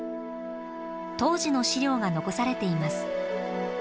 当時の資料が残されています。